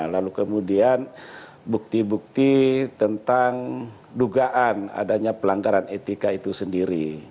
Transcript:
lalu kemudian bukti bukti tentang dugaan adanya pelanggaran etika itu sendiri